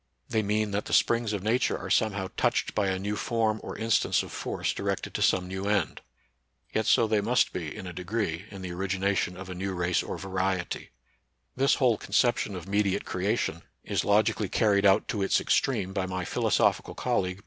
They mean that the springs of Nature are somehow touched by a new form or instance of force directed to some new end. Yet so they must be in a degree in the origi nation of a new race or variety. This whole conception of mediate creation is logically car ried out to its extreme by my philosophical col league.